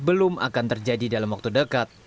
belum akan terjadi dalam waktu dekat